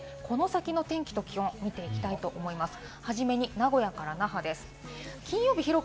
これを踏まえて、この先の天気と気温を見ていきたいと思います。